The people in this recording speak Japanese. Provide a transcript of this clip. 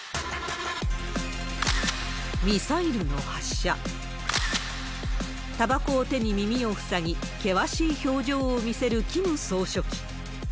ミサイルの発射、たばこを手に耳を塞ぎ、険しい表情を見せるキム総書記。